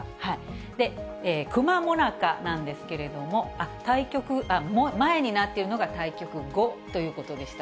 くま最中なんですけれども、対局前になっているのが対局後ということでした。